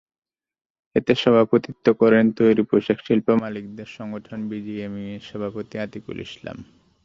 এতে সভাপতিত্ব করেন তৈরি পোশাকশিল্প মালিকদের সংগঠন বিজিএমইএর সভাপতি আতিকুল ইসলাম।